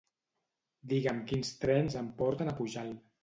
Digue'm quins trens em porten a Pujalt.